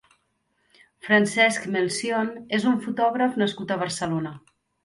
Francesc Melcion és un fotògraf nascut a Barcelona.